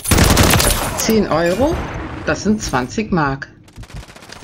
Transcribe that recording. Zehn Euro? Das sind zwanzig Mark!